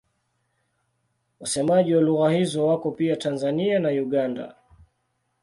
Wasemaji wa lugha hizo wako pia Tanzania na Uganda.